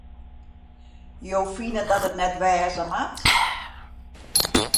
Jo fine dat it net wêze moat?